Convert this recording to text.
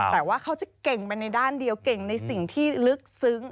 แต่ว่าเขาจะเก่งไปในด้านเดียวเก่งในสิ่งที่ลึกซึ้ง